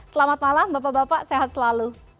selamat malam bapak bapak sehat selalu